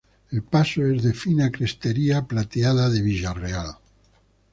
El paso es de fina crestería plateada de Villareal.